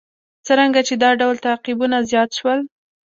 څرنګه چې دا ډول تعقیبونه زیات شول.